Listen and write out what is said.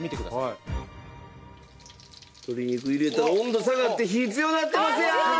鶏肉入れた温度下がって火強なってますやん！